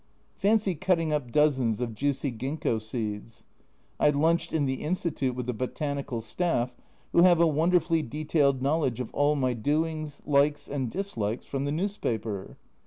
Fancy cutting up dozens of juicy Ginkgo seeds ! I lunched in the Institute with the botanical staff, who have a wonderfully detailed knowledge of all my doings, likes and dislikes from the newspaper